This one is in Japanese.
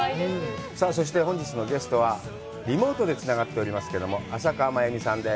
さあそして本日のゲストは、リモートでつながっておりますけども、朝加真由美さんです。